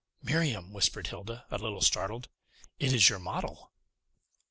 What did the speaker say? "Miriam," whispered Hilda, a little startled, "it is your model!"